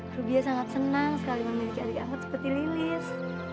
rupiah sangat senang sekali memiliki adik angkat seperti lilis